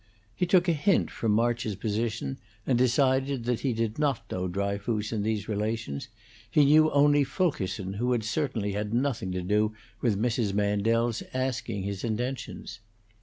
He took a hint from March's position and decided that he did not know Dryfoos in these relations; he knew only Fulkerson, who had certainly had nothing to do with Mrs. Mandel's asking his intentions.